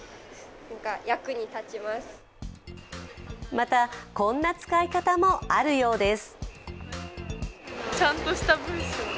また、こんな使い方もあるようです。